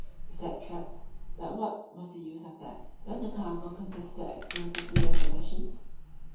We set traps, but what was the use of that, when the cargo consisted exclusively of provisions?